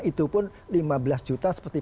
itu pun lima belas juta seperti